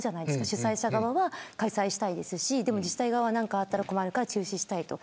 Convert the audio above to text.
主催者側は開催したいですし自治体側は何かあったら困るから中止したい。